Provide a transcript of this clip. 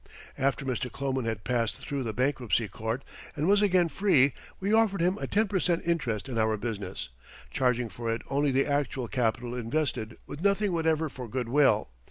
After Mr. Kloman had passed through the bankruptcy court and was again free, we offered him a ten per cent interest in our business, charging for it only the actual capital invested, with nothing whatever for good will.